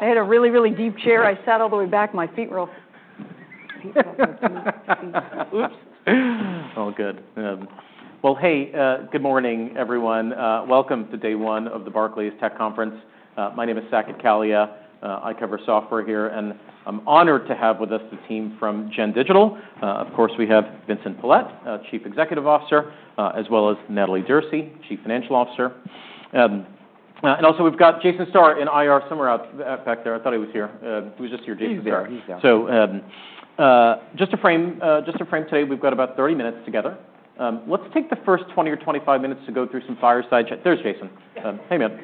I hit a really, really deep chair. I sat all the way back. My feet were all... Oops. All good. Well, hey, good morning, everyone. Welcome to day one of the Barclays Tech Conference. My name is Sakit Kalia. I cover software here, and I'm honored to have with us the team from Gen Digital. Of course, we have Vincent Pilette, Chief Executive Officer, as well as Natalie Derse, Chief Financial Officer. And also, we've got Jason Starr in IR somewhere out back there. I thought he was here. He was just here. He's here. He's here. He's here. So just to frame today, we've got about 30 minutes together. Let's take the first 20 or 25 minutes to go through some fireside chat. There's Jason. Hey, man.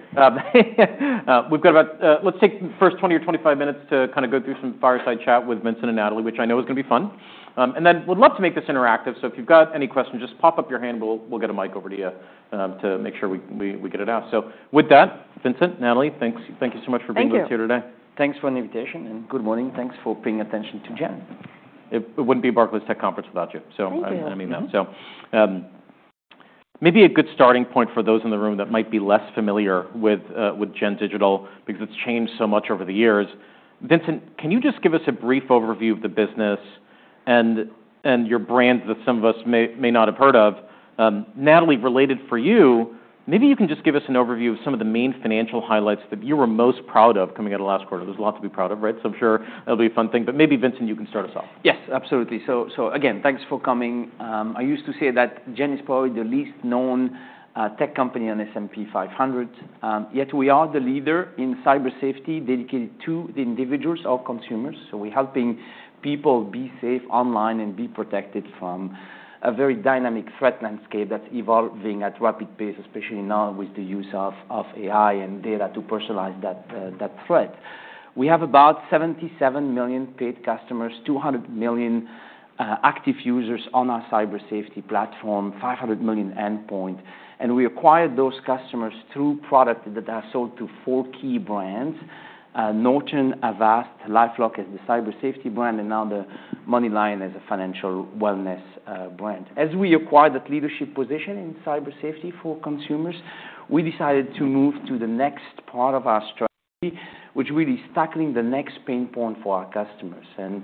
Let's take the first 20 or 25 minutes to kind of go through some fireside chat with Vincent and Natalie, which I know is going to be fun. And then we'd love to make this interactive. So if you've got any questions, just pop up your hand. We'll get a mic over to you to make sure we get it out. So with that, Vincent, Natalie, thank you so much for being with us here today. Thanks for the invitation, and good morning. Thanks for paying attention to Gen. It wouldn't be a Barclays Tech Conference without you. Thank you. So I mean that. So maybe a good starting point for those in the room that might be less familiar with Gen Digital, because it's changed so much over the years. Vincent, can you just give us a brief overview of the business and your brand that some of us may not have heard of? Natalie, related for you, maybe you can just give us an overview of some of the main financial highlights that you were most proud of coming out of last quarter? There's a lot to be proud of, right? So I'm sure it'll be a fun thing. But maybe, Vincent, you can start us off. Yes, absolutely. So again, thanks for coming. I used to say that Gen is probably the least known tech company on the S&P 500. Yet we are the leader in cybersafety dedicated to the individuals or consumers. So we're helping people be safe online and be protected from a very dynamic threat landscape that's evolving at a rapid pace, especially now with the use of AI and data to personalize that threat. We have about 77 million paid customers, 200 million active users on our cybersafety platform, 500 million endpoints. And we acquired those customers through products that are sold to four key brands: Norton, Avast, LifeLock as the cybersafety brand, and now the Moneyline as a financial wellness brand. As we acquired that leadership position in cybersafety for consumers, we decided to move to the next part of our strategy, which is really tackling the next pain point for our customers. And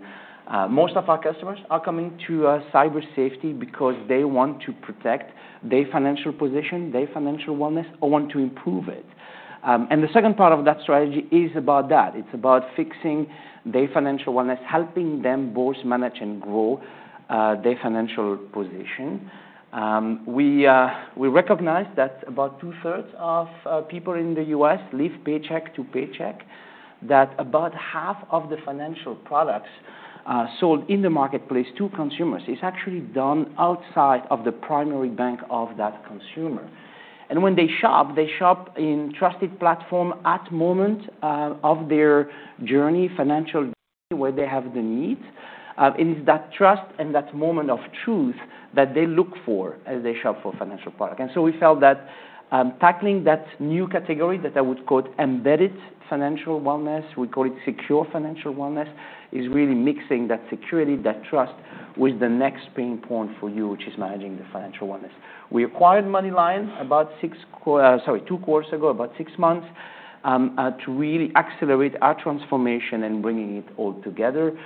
most of our customers are coming to cybersafety because they want to protect their financial position, their financial wellness, or want to improve it. And the second part of that strategy is about that. It's about fixing their financial wellness, helping them both manage and grow their financial position. We recognize that about two-thirds of people in the U.S. live paycheck to paycheck, that about half of the financial products sold in the marketplace to consumers is actually done outside of the primary bank of that consumer. And when they shop, they shop in a trusted platform at the moment of their journey, financial journey, where they have the need. It is that trust and that moment of truth that they look for as they shop for financial products. And so we felt that tackling that new category that I would call embedded financial wellness, we call it secure financial wellness, is really mixing that security, that trust, with the next pain point for you, which is managing the financial wellness. We acquired Moneyline about six quarters, sorry, two quarters ago, about six months, to really accelerate our transformation and bringing it all together.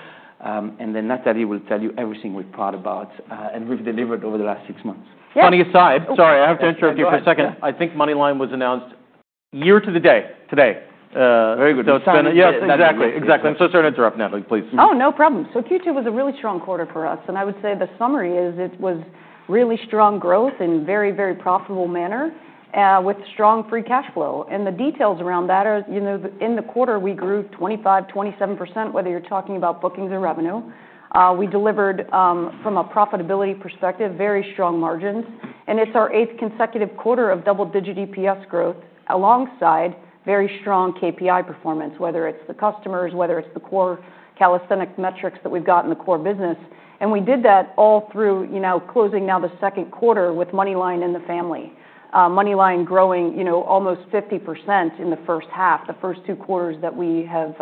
And then Natalie will tell you everything we're proud about and we've delivered over the last six months. Yes. Funny aside, sorry, I have to interrupt you for a second. I think Moneyline was announced year to the day today. Very good. Yes, exactly. Exactly. I'm so sorry to interrupt, Natalie, please. Oh, no problem, so Q2 was a really strong quarter for us. And I would say the summary is it was really strong growth in a very, very profitable manner with strong free cash flow, and the details around that are, in the quarter, we grew 25%, 27%, whether you're talking about bookings or revenue. We delivered, from a profitability perspective, very strong margins, and it's our eighth consecutive quarter of double-digit EPS growth alongside very strong KPI performance, whether it's the customers, whether it's the core CAC/LTV metrics that we've got in the core business, and we did that all through closing now the second quarter with Moneyline in the family. Moneyline growing almost 50% in the first half, the first two quarters that we have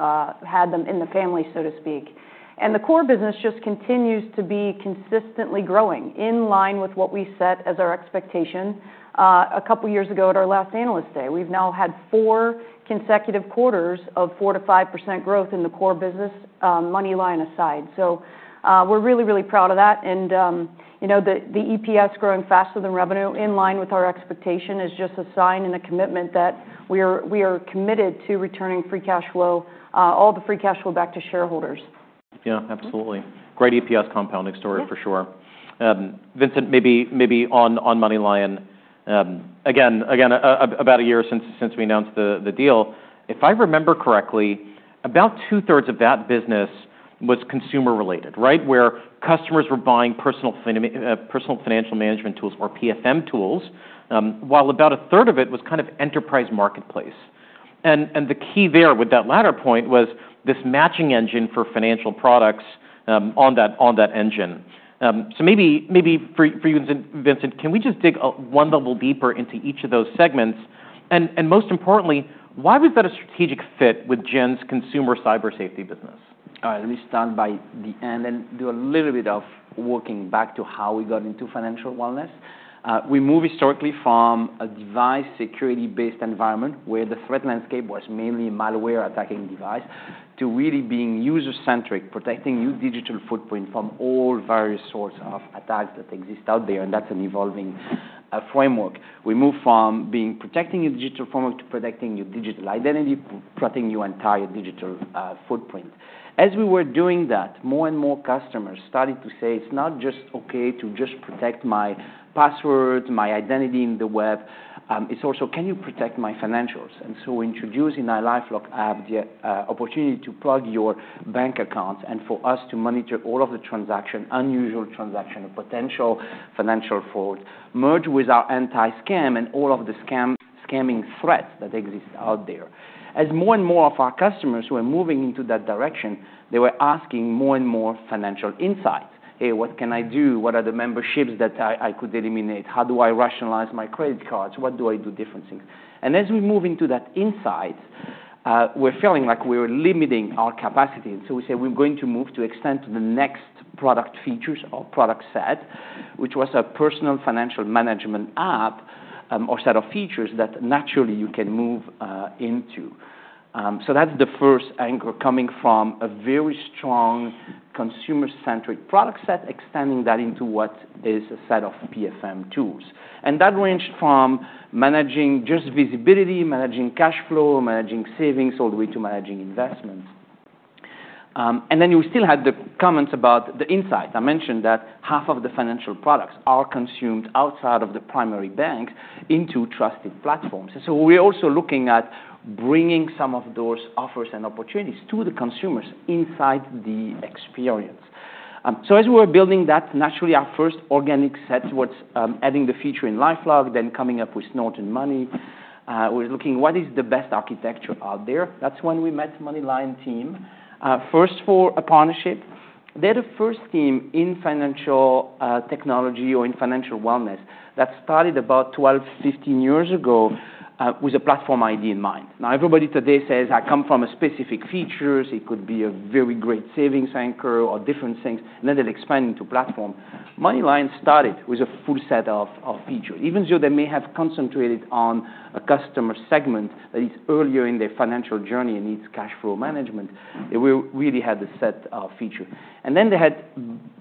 had them in the family, so to speak. The core business just continues to be consistently growing in line with what we set as our expectation a couple of years ago at our last analyst day. We've now had four consecutive quarters of 4%-5% growth in the core business, Moneyline aside. We're really, really proud of that. The EPS growing faster than revenue in line with our expectation is just a sign and a commitment that we are committed to returning free cash flow, all the free cash flow back to shareholders. Yeah, absolutely. Great EPS compounding story, for sure. Vincent, maybe on Moneyline again, about a year since we announced the deal, if I remember correctly, about two-thirds of that business was consumer-related, right, where customers were buying personal financial management tools or PFM tools, while about a third of it was kind of enterprise marketplace. And the key there with that latter point was this matching engine for financial products on that engine. So maybe for you, Vincent, can we just dig one level deeper into each of those segments? And most importantly, why was that a strategic fit with Gen's consumer cybersafety business? All right, let me start by the end and do a little bit of walking back to how we got into financial wellness. We moved historically from a device security-based environment where the threat landscape was mainly malware attacking devices to really being user-centric, protecting your digital footprint from all various sorts of attacks that exist out there, and that's an evolving framework. We moved from being protecting your digital format to protecting your digital identity, protecting your entire digital footprint. As we were doing that, more and more customers started to say, "It's not just OK to just protect my passwords, my identity in the web. It's also, can you protect my financials?", and so introducing our LifeLock app, the opportunity to plug your bank accounts and for us to monitor all of the transactions, unusual transactions, potential financial fraud, merge with our anti-scam and all of the scamming threats that exist out there. As more and more of our customers were moving into that direction, they were asking more and more financial insights. "Hey, what can I do? What are the memberships that I could eliminate? How do I rationalize my credit cards? What do I do different things?", and as we move into that insight, we're feeling like we're limiting our capacity, and so we say, "We're going to move to extend to the next product features or product set," which was a personal financial management app or set of features that naturally you can move into. So that's the first anchor coming from a very strong consumer-centric product set, extending that into what is a set of PFM tools. And that ranged from managing just visibility, managing cash flow, managing savings, all the way to managing investments. And then you still had the comments about the insight. I mentioned that half of the financial products are consumed outside of the primary bank into trusted platforms. And so we're also looking at bringing some of those offers and opportunities to the consumers inside the experience. So as we were building that, naturally, our first organic set was adding the feature in LifeLock, then coming up with Norton Money. We were looking, what is the best architecture out there? That's when we met Moneyline team. First for a partnership. They're the first team in financial technology or in financial wellness that started about 12-15 years ago with a platform idea in mind. Now, everybody today says, "I come from a specific features." It could be a very great savings anchor or different things. And then they're expanding to platform. Moneyline started with a full set of features. Even though they may have concentrated on a customer segment that is earlier in their financial journey and needs cash flow management, they really had a set of features. And then they had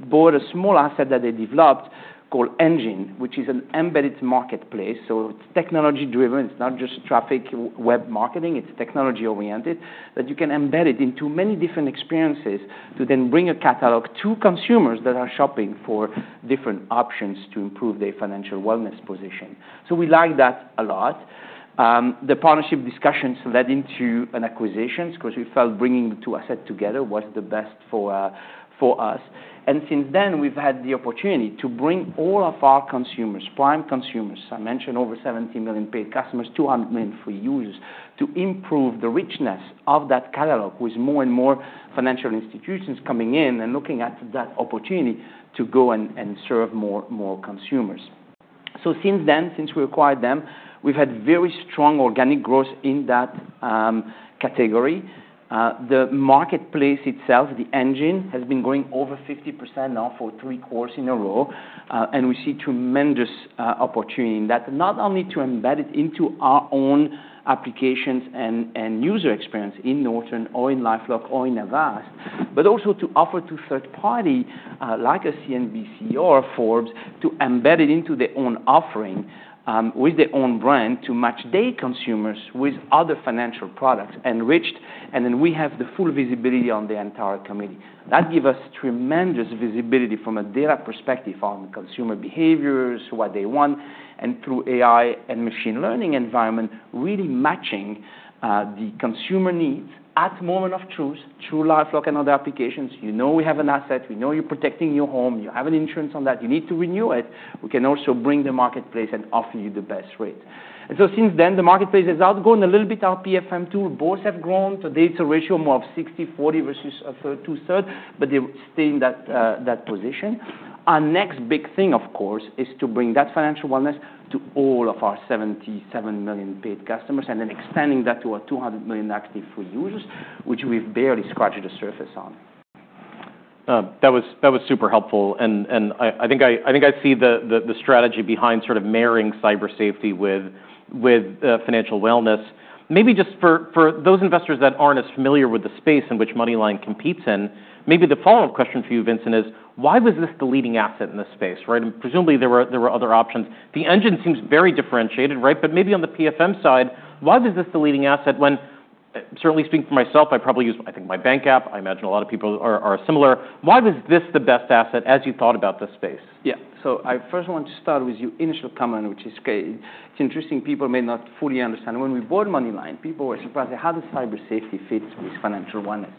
bought a small asset that they developed called Engine, which is an embedded marketplace. So it's technology-driven. It's not just traffic, web marketing. It's technology-oriented that you can embed it into many different experiences to then bring a catalog to consumers that are shopping for different options to improve their financial wellness position. So we like that a lot. The partnership discussions led into an acquisition because we felt bringing the two assets together was the best for us. And since then, we've had the opportunity to bring all of our consumers, prime consumers, I mentioned over 70 million paid customers, 200 million free users, to improve the richness of that catalog with more and more financial institutions coming in and looking at that opportunity to go and serve more consumers. So since then, since we acquired them, we've had very strong organic growth in that category. The marketplace itself, the Engine, has been growing over 50% now for three quarters in a row. And we see tremendous opportunity in that, not only to embed it into our own applications and user experience in Norton or in LifeLock or in Avast, but also to offer to third parties like a CNBC or a Forbes to embed it into their own offering with their own brand to match their consumers with other financial products enriched. And then we have the full visibility on the entire community. That gives us tremendous visibility from a data perspective on consumer behaviors, what they want, and through AI and machine learning environment, really matching the consumer needs at the moment of truth, through LifeLock and other applications. You know we have an asset. We know you're protecting your home. You have an insurance on that. You need to renew it. We can also bring the marketplace and offer you the best rate. And so since then, the marketplace has outgrown a little bit our PFM tool. Both have grown. Today, it's a ratio more of 60/40 versus two-thirds, but they stay in that position. Our next big thing, of course, is to bring that financial wellness to all of our 77 million paid customers and then expanding that to our 200 million active free users, which we've barely scratched the surface on. That was super helpful, and I think I see the strategy behind sort of marrying cybersafety with financial wellness. Maybe just for those investors that aren't as familiar with the space in which Moneyline competes in, maybe the follow-up question for you, Vincent, is, why was this the leading asset in this space? Right, and presumably, there were other options. The Engine seems very differentiated, right, but maybe on the PFM side, why was this the leading asset when, certainly speaking for myself, I probably use, I think, my bank app. I imagine a lot of people are similar. Why was this the best asset as you thought about this space? Yeah. So I first want to start with your initial comment, which is great. It's interesting. People may not fully understand. When we bought Moneyline, people were surprised. They had a cybersafety fit with financial wellness.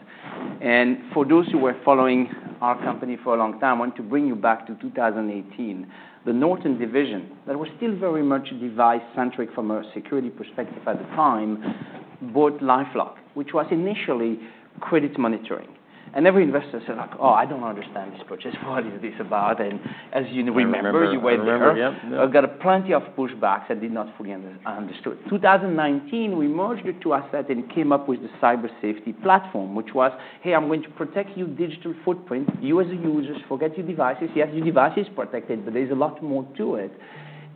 And for those who were following our company for a long time, I want to bring you back to 2018. The Norton division that was still very much device-centric from a security perspective at the time bought LifeLock, which was initially credit monitoring. And every investor said, like, "Oh, I don't understand this purchase. What is this about?" And as you remember, you went there. We remember, yeah. I got plenty of pushbacks and did not fully understand. In 2019, we merged the two assets and came up with the cybersafety platform, which was, "Hey, I'm going to protect your digital footprint. You as a user, forget your devices. Yes, your device is protected, but there's a lot more to it."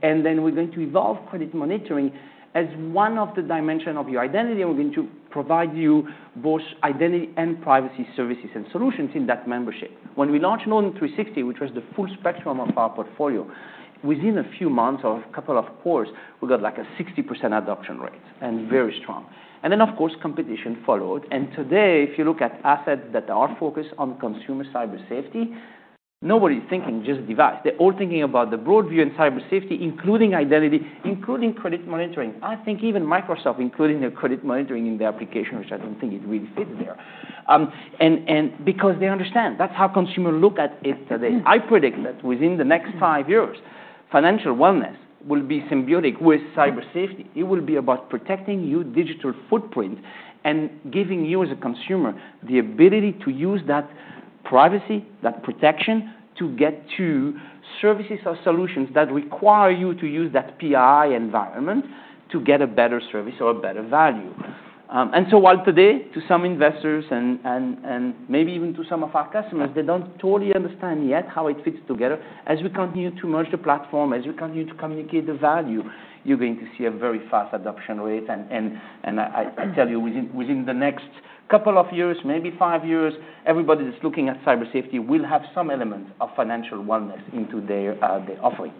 And then we're going to evolve credit monitoring as one of the dimensions of your identity. And we're going to provide you both identity and privacy services and solutions in that membership. When we launched Norton 360, which was the full spectrum of our portfolio, within a few months or a couple of quarters, we got like a 60% adoption rate and very strong. And then, of course, competition followed. And today, if you look at assets that are focused on consumer cybersafety, nobody's thinking just device. They're all thinking about the broad view and cybersafety, including identity, including credit monitoring. I think even Microsoft, including their credit monitoring in their application, which I don't think it really fits there, and because they understand, that's how consumers look at it today. I predict that within the next five years, financial wellness will be symbiotic with cybersafety. It will be about protecting your digital footprint and giving you as a consumer the ability to use that privacy, that protection, to get to services or solutions that require you to use that PII environment to get a better service or a better value. And so while today, to some investors and maybe even to some of our customers, they don't totally understand yet how it fits together, as we continue to merge the platform, as we continue to communicate the value, you're going to see a very fast adoption rate. And I tell you, within the next couple of years, maybe five years, everybody that's looking at cybersafety will have some element of financial wellness into their offering.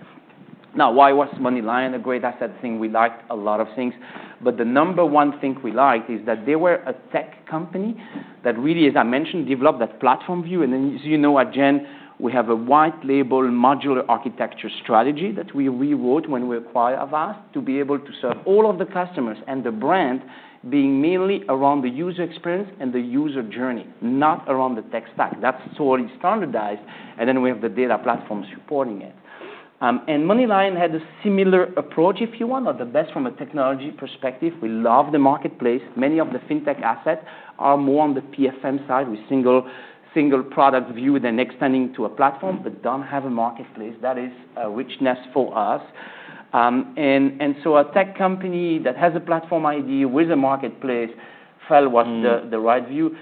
Now, why was Moneyline a great asset? I think we liked a lot of things. But the number one thing we liked is that they were a tech company that really, as I mentioned, developed that platform view. And as you know, at Gen, we have a white-label modular architecture strategy that we rewrote when we acquired Avast to be able to serve all of the customers and the brand being mainly around the user experience and the user journey, not around the tech stack. That's totally standardized. And then we have the data platform supporting it. And MoneyLion had a similar approach, if you want, or the best from a technology perspective. We love the marketplace. Many of the fintech assets are more on the PFM side with single product view than extending to a platform, but don't have a marketplace. That is a richness for us. And so a tech company that has a platform idea with a marketplace felt was the right view.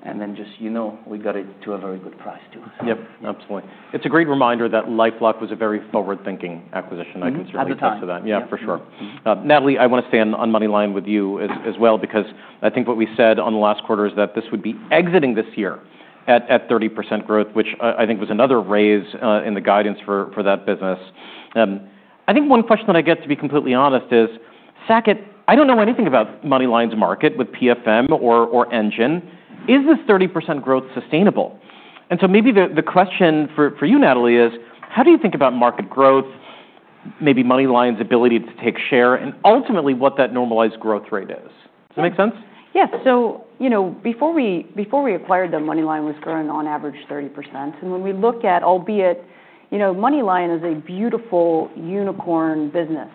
And then just, you know, we got it to a very good price too. Yep, absolutely. It's a great reminder that LifeLock was a very forward-thinking acquisition. I can certainly attest to that. Absolutely. Yeah, for sure. Natalie, I want to stay on Moneyline with you as well, because I think what we said on the last quarter is that this would be exiting this year at 30% growth, which I think was another raise in the guidance for that business. I think one question that I get, to be completely honest, is, "Saket, I don't know anything about Moneyline's market with PFM or Engine. Is this 30% growth sustainable?" And so maybe the question for you, Natalie, is, how do you think about market growth, maybe Moneyline's ability to take share, and ultimately what that normalized growth rate is? Does that make sense? Yes, so before we acquired them, MoneyLion was growing on average 30%. And when we look at, albeit, MoneyLion is a beautiful unicorn business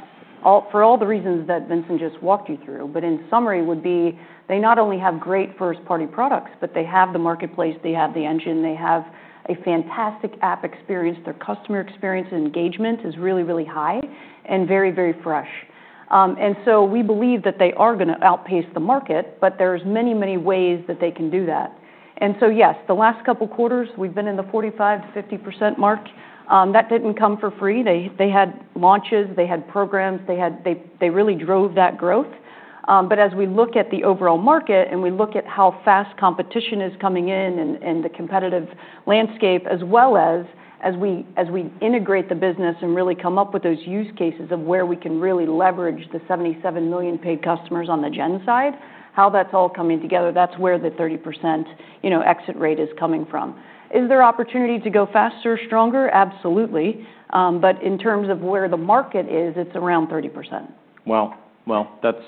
for all the reasons that Vincent just walked you through, but in summary, it would be they not only have great first-party products, but they have the marketplace. They have the Engine. They have a fantastic app experience. Their customer experience and engagement is really, really high and very, very fresh, and so we believe that they are going to outpace the market, but there are many, many ways that they can do that, and so yes, the last couple of quarters, we've been in the 45%-50% mark. That didn't come for free. They had launches. They had programs. They really drove that growth. But as we look at the overall market and we look at how fast competition is coming in and the competitive landscape, as well as we integrate the business and really come up with those use cases of where we can really leverage the 77 million paid customers on the Gen side, how that's all coming together, that's where the 30% exit rate is coming from. Is there opportunity to go faster or stronger? Absolutely. But in terms of where the market is, it's around 30%. Wow. Wow. That's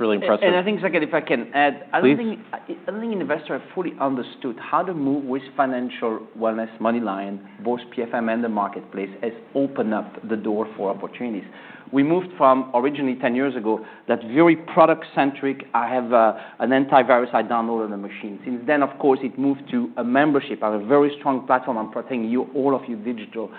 really impressive. And I think, Saket, if I can add, I don't think investors have fully understood how to move with financial wellness. Moneyline both PFM and the marketplace has opened up the door for opportunities. We moved from originally 10 years ago that very product-centric, "I have an antivirus, I downloaded a machine." Since then, of course, it moved to a membership of a very strong platform and protecting all of your digital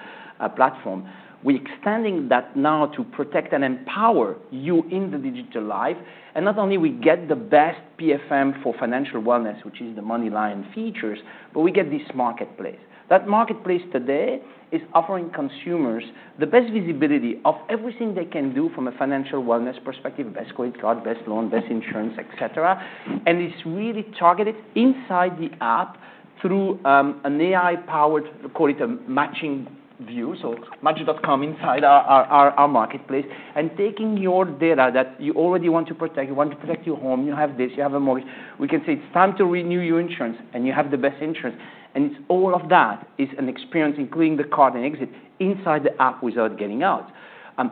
platform. We're extending that now to protect and empower you in the digital life. And not only do we get the best PFM for financial wellness, which is the Moneyline features, but we get this marketplace. That marketplace today is offering consumers the best visibility of everything they can do from a financial wellness perspective, best credit card, best loan, best insurance, et cetera. And it's really targeted inside the app through an AI-powered, call it a matching view, so Match.com inside our marketplace and taking your data that you already want to protect. You want to protect your home. You have this. You have a mortgage. We can say it's time to renew your insurance, and you have the best insurance. And all of that is an experience, including the card and exit inside the app without getting out.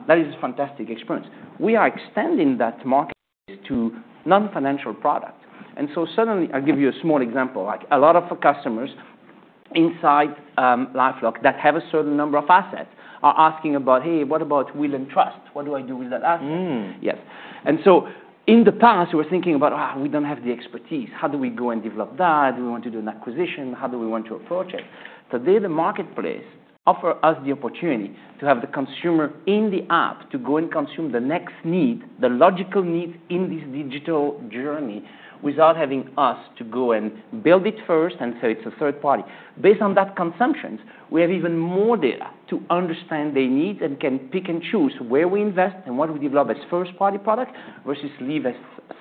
That is a fantastic experience. We are extending that marketplace to non-financial products. And so suddenly, I'll give you a small example. A lot of customers inside LifeLock that have a certain number of assets are asking about, "Hey, what about Will & Trust? What do I do with that asset?" Yes. And so in the past, we were thinking about, "We don't have the expertise. How do we go and develop that? Do we want to do an acquisition? How do we want to approach it?" Today, the marketplace offers us the opportunity to have the consumer in the app to go and consume the next need, the logical need in this digital journey without having us to go and build it first, and so it's a third party. Based on that consumption, we have even more data to understand their needs and can pick and choose where we invest and what we develop as first-party product versus leave as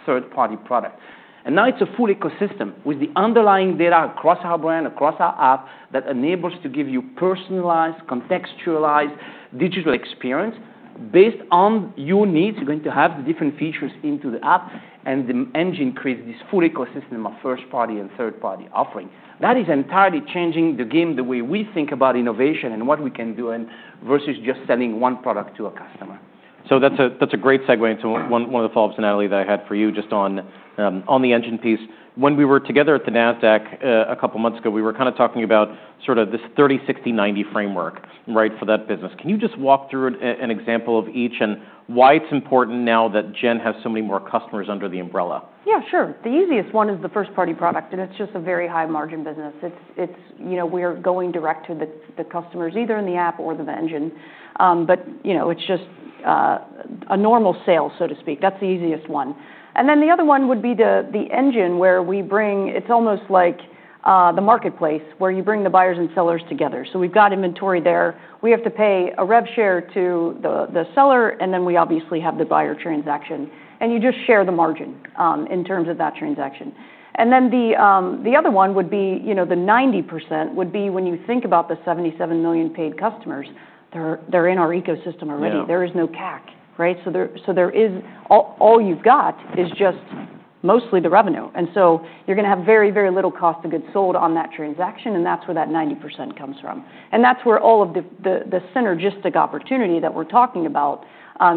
third-party product, and now it's a full ecosystem with the underlying data across our brand, across our app that enables to give you personalized, contextualized digital experience based on your needs. You're going to have the different features into the app, and the Engine creates this full ecosystem of first-party and third-party offering. That is entirely changing the game, the way we think about innovation and what we can do versus just selling one product to a customer. So that's a great segue into one of the follow-ups, Natalie, that I had for you just on the Engine piece. When we were together at the NASDAQ a couple of months ago, we were kind of talking about sort of this 30/60/90 framework, right, for that business. Can you just walk through an example of each and why it's important now that Gen has so many more customers under the umbrella? Yeah, sure. The easiest one is the first-party product, and it's just a very high-margin business. We are going direct to the customers either in the app or the Engine. But it's just a normal sale, so to speak. That's the easiest one. And then the other one would be the Engine, where we bring, it's almost like the marketplace where you bring the buyers and sellers together. So we've got inventory there. We have to pay a rev share to the seller, and then we obviously have the buyer transaction. And you just share the margin in terms of that transaction. And then the other one would be the 90% would be when you think about the 77 million paid customers. They're in our ecosystem already. There is no CAC, right? So all you've got is just mostly the revenue. And so you're going to have very, very little cost of goods sold on that transaction, and that's where that 90% comes from. And that's where all of the synergistic opportunity that we're talking about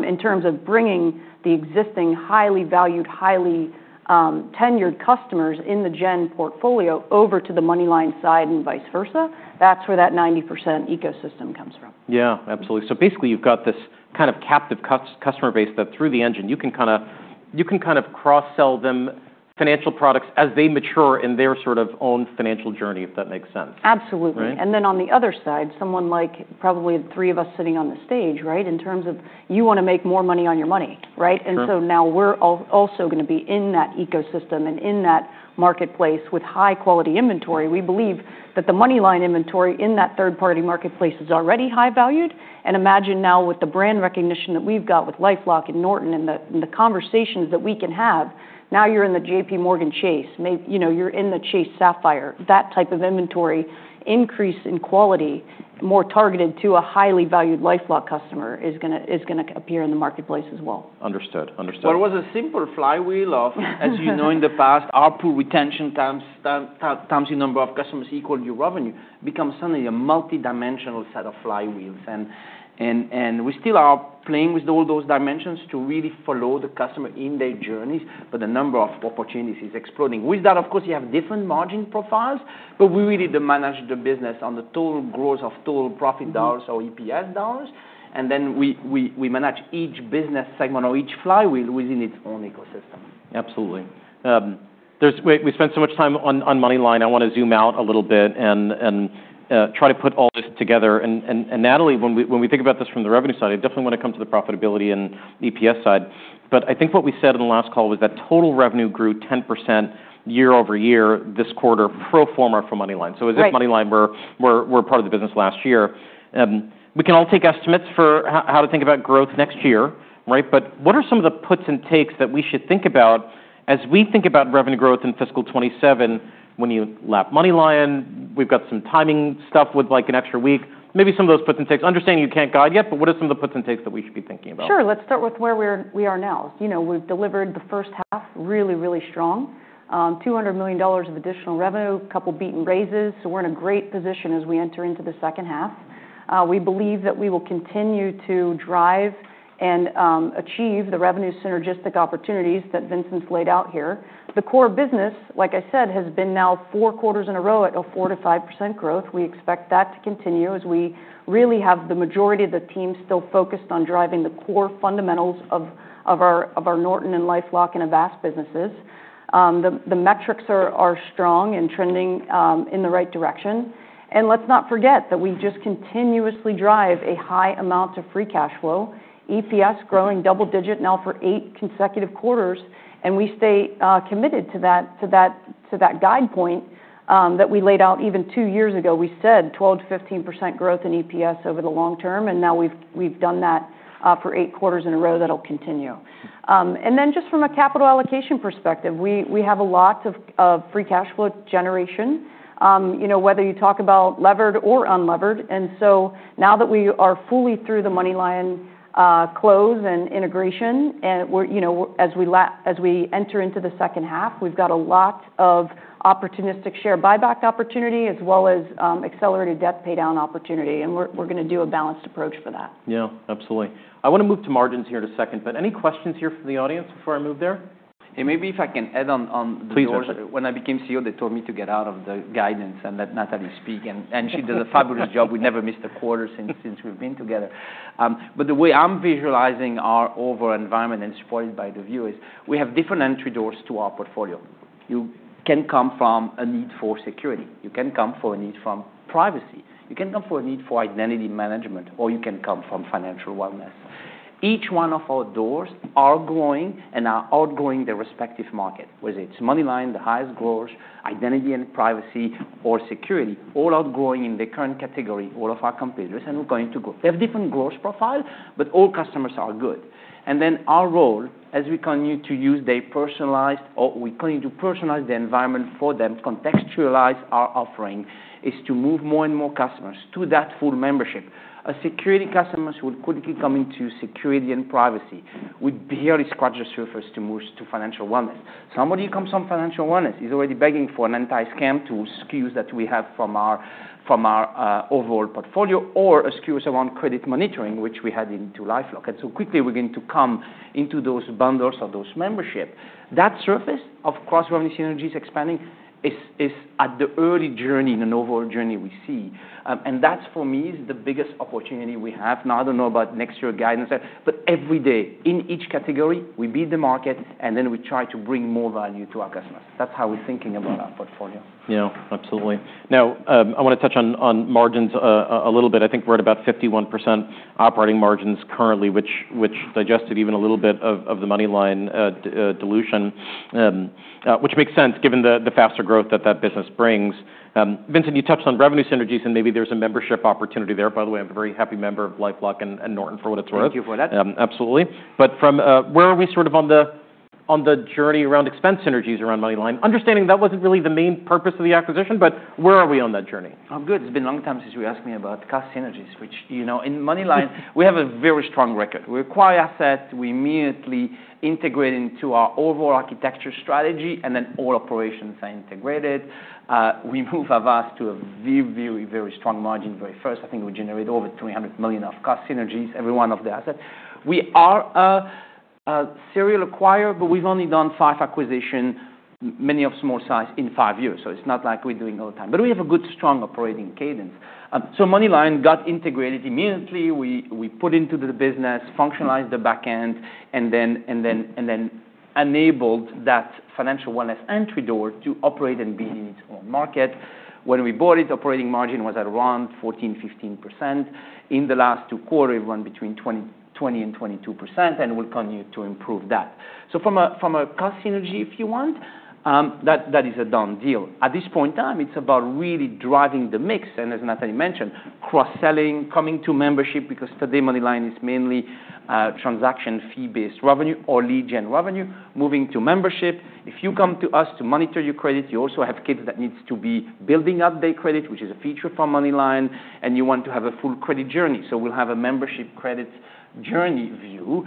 in terms of bringing the existing highly valued, highly tenured customers in the Gen portfolio over to the Moneyline side and vice versa. That's where that 90% ecosystem comes from. Yeah, absolutely. So basically, you've got this kind of captive customer base that through the Engine, you can kind of cross-sell them financial products as they mature in their sort of own financial journey, if that makes sense. Absolutely. And then on the other side, someone like probably the three of us sitting on the stage, right, in terms of you want to make more money on your money, right? And so now we're also going to be in that ecosystem and in that marketplace with high-quality inventory. We believe that the Moneyline inventory in that third-party marketplace is already high-valued. And imagine now with the brand recognition that we've got with LifeLock and Norton and the conversations that we can have, now you're in the JPMorgan Chase, you're in the Chase Sapphire. That type of inventory increase in quality, more targeted to a highly valued LifeLock customer, is going to appear in the marketplace as well. Understood, understood. But it was a simple flywheel of, as you know, in the past, output retention times the number of customers equal your revenue becomes suddenly a multidimensional set of flywheels. And we still are playing with all those dimensions to really follow the customer in their journeys. But the number of opportunities is exploding. With that, of course, you have different margin profiles, but we really manage the business on the total gross of total profit dollars or EPS dollars. And then we manage each business segment or each flywheel within its own ecosystem. Absolutely. We spent so much time on Moneyline, I want to zoom out a little bit and try to put all this together, and Natalie, when we think about this from the revenue side, I definitely want to come to the profitability and EPS side, but I think what we said in the last call was that total revenue grew 10% year over year this quarter pro forma for Moneyline, so it was at Moneyline where we were part of the business last year. We can all take estimates for how to think about growth next year, right, but what are some of the puts and takes that we should think about as we think about revenue growth in fiscal 2027? When you lap Moneyline, we've got some timing stuff with like an extra week. Maybe some of those puts and takes, understanding you can't guide yet, but what are some of the puts and takes that we should be thinking about? Sure. Let's start with where we are now. We've delivered the first half really, really strong, $200 million of additional revenue, a couple of beaten raises. So we're in a great position as we enter into the second half. We believe that we will continue to drive and achieve the revenue synergistic opportunities that Vincent's laid out here. The core business, like I said, has been now four quarters in a row at a 4%-5% growth. We expect that to continue as we really have the majority of the team still focused on driving the core fundamentals of our Norton and LifeLock and Avast businesses. The metrics are strong and trending in the right direction. And let's not forget that we just continuously drive a high amount of free cash flow. EPS growing double-digit now for eight consecutive quarters. And we stay committed to that guide point that we laid out even two years ago. We said 12%-15% growth in EPS over the long term. And now we've done that for eight quarters in a row. That'll continue. And then just from a capital allocation perspective, we have a lot of free cash flow generation, whether you talk about levered or unlevered. And so now that we are fully through the MoneyLion close and integration, as we enter into the second half, we've got a lot of opportunistic share buyback opportunity as well as accelerated debt paydown opportunity. And we're going to do a balanced approach for that. Yeah, absolutely. I want to move to margins here in a second, but any questions here from the audience before I move there? And maybe if I can add on. Please do. When I became CEO, they told me to get out of the guidance and let Natalie speak, and she does a fabulous job. We never missed a quarter since we've been together, but the way I'm visualizing our overall environment and supported by the view is we have different entry doors to our portfolio. You can come from a need for security. You can come for a need from privacy. You can come for a need for identity management, or you can come from financial wellness. Each one of our doors are growing and are outgrowing their respective market, whether it's Moneyline, the highest growers, identity and privacy, or security, all outgrowing in the current category, all of our competitors and we're going to grow. They have different growth profiles, but all customers are good. And then our role, as we continue to use their personalization or we continue to personalize the environment for them, contextualize our offering, is to move more and more customers to that full membership. Security customers will quickly come into security and privacy. We barely scratch the surface to move to financial wellness. Somebody who comes from financial wellness is already begging for an anti-scam tool use case that we have from our overall portfolio or use case around credit monitoring, which we have in LifeLock. And so quickly, we're going to come into those bundles of those membership. That surfacing of cross-revenue synergies expanding is at the early journey in an overall journey we see. And that for me is the biggest opportunity we have. Now, I don't know about next year guidance, but every day in each category, we beat the market, and then we try to bring more value to our customers. That's how we're thinking about our portfolio. Yeah, absolutely. Now, I want to touch on margins a little bit. I think we're at about 51% operating margins currently, which digested even a little bit of the Moneyline dilution, which makes sense given the faster growth that that business brings. Vincent, you touched on revenue synergies, and maybe there's a membership opportunity there. By the way, I'm a very happy member of LifeLock and Norton for what it's worth. Thank you for that. Absolutely. But where are we sort of on the journey around expense synergies around Moneyline? Understanding that wasn't really the main purpose of the acquisition, but where are we on that journey? I'm good. It's been a long time since you asked me about cost synergies, which in Moneyline we have a very strong record. We acquire assets, we immediately integrate into our overall architecture strategy, and then all operations are integrated. We move Avast to a very, very, very strong margin very first. I think we generate over $300 million of cost synergies every one of the assets. We are a serial acquirer, but we've only done five acquisitions, many of small size, in five years, so it's not like we're doing all the time, but we have a good, strong operating cadence, so Moneyline got integrated immediately. We put into the business, functionalized the back end, and then enabled that financial wellness entry door to operate and be in its own market. When we bought it, operating margin was at around 14%-15%. In the last two quarters, it went between 20% and 22%, and we'll continue to improve that. So from a cost synergy, if you want, that is a done deal. At this point in time, it's about really driving the mix. And as Natalie mentioned, cross-selling, coming to membership, because today MoneyLion is mainly transaction fee-based revenue or lead gen revenue, moving to membership. If you come to us to monitor your credit, you also have kid that needs to be building up their credit, which is a feature for MoneyLion, and you want to have a full credit journey. So we'll have a membership credit journey view.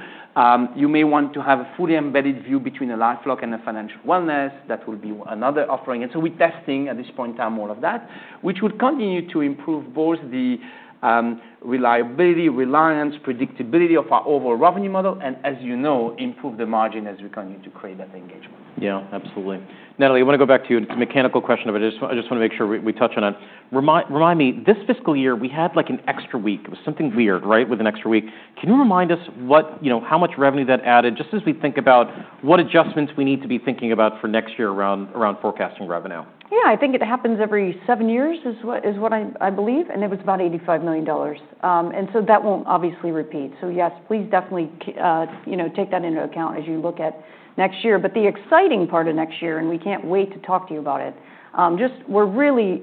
You may want to have a fully embedded view between a LifeLock and a financial wellness. That will be another offering. And so we're testing at this point in time all of that, which will continue to improve both the reliability, reliance, predictability of our overall revenue model, and as you know, improve the margin as we continue to create that engagement. Yeah, absolutely. Natalie, I want to go back to you. It's a mechanical question, but I just want to make sure we touch on it. Remind me, this fiscal year, we had like an extra week. It was something weird, right, with an extra week. Can you remind us how much revenue that added just as we think about what adjustments we need to be thinking about for next year around forecasting revenue? Yeah, I think it happens every seven years is what I believe. And it was about $85 million. And so that won't obviously repeat. So yes, please definitely take that into account as you look at next year. But the exciting part of next year, and we can't wait to talk to you about it, just we're really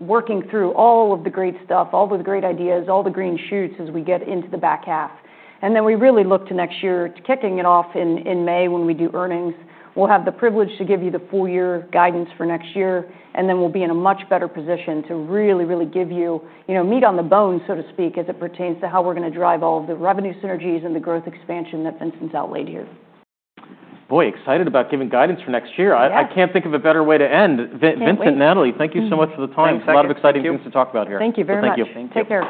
working through all of the great stuff, all of the great ideas, all the green shoots as we get into the back half. And then we really look to next year, kicking it off in May when we do earnings. We'll have the privilege to give you the full year guidance for next year. And then we'll be in a much better position to really, really give you meat on the bone, so to speak, as it pertains to how we're going to drive all of the revenue synergies and the growth expansion that Vincent's outlaid here. Boy, excited about giving guidance for next year. I can't think of a better way to end. Vincent, Natalie, thank you so much for the time. A lot of exciting things to talk about here. Thank you very much. Thank you.